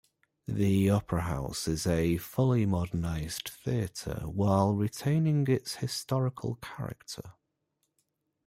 The Opera House is a fully modernized theatre while retaining its historical character.